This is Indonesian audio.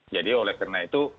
jadi oleh karena itu